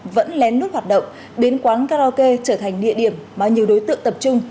vẫn lén nút hoạt động biến quán karaoke trở thành địa điểm mà nhiều đối tượng tập trung